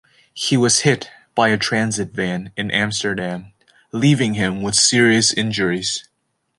He was hit by a transit van in Amsterdam leaving him with serious injuries.